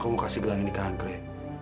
aku mau kasih gelang ini ke angkri